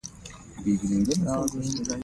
پخوانو سلف فهم ته وګورو.